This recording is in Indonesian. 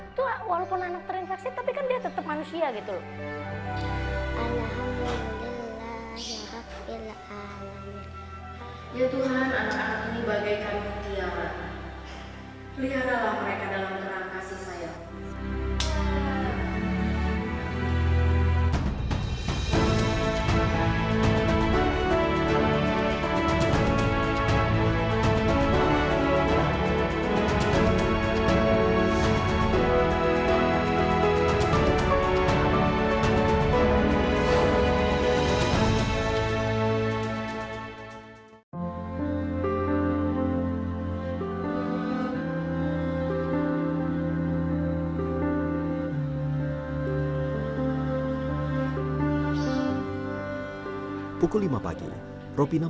itu walaupun anak terinfeksi tapi kan dia tetap manusia gitu loh